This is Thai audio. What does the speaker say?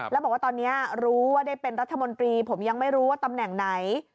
แล้วบอกว่าตอนนี้รู้ว่าได้เป็นรัฐมนตรีผมยังไม่รู้ว่าตำแหน่งไหน